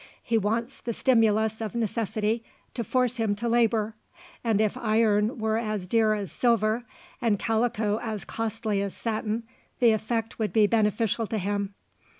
He wants the stimulus of necessity to force him to labour; and if iron were as dear as silver, and calico as costly as satin, the effect would be beneficial to him.